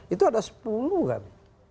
itu ada sepuluh kan